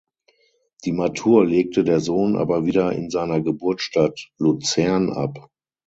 Die Matur legte der Sohn aber wieder in seiner Geburtsstadt Luzern ab.